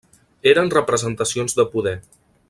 Eren representacions de poder.